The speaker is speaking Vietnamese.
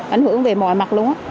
ảnh hưởng về mọi mặt luôn á